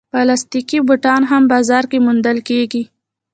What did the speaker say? پلاستيکي بوټان هم بازار کې موندل کېږي.